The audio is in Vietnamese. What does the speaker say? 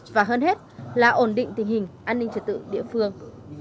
và hơn hết là ổn định tình hình an ninh trật tự địa phương